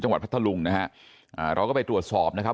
พัทธลุงนะฮะอ่าเราก็ไปตรวจสอบนะครับ